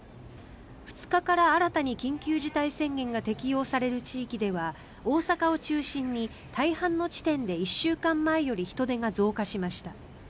２日から新たに緊急事態宣言が適用される地域では大阪を中心に大半の地点で１週間前より人出が増加しました。